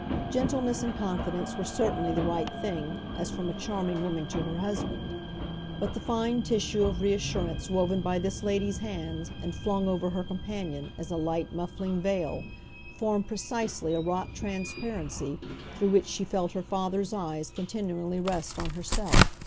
Gentleness and confidence were certainly the right thing, as from a charming woman to her husband, but the fine tissue of reassurance woven by this lady's hands and flung over her companion as a light, muffling veil, formed precisely a wrought transparency through which she felt her father's eyes continually rest on herself.